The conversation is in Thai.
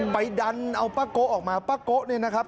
ไปดันเอาป้าโกะออกมาป้าโกะเนี่ยนะครับ